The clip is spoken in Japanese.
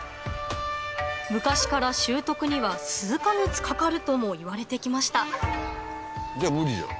昔から習得には数か月かかるともいわれて来ましたじゃあ無理じゃん。